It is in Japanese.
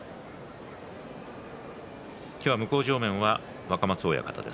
今日、向正面は若松親方です。